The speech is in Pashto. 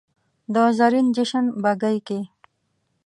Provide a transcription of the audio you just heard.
د زرین جشن بګۍ کې